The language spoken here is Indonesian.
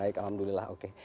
baik alhamdulillah oke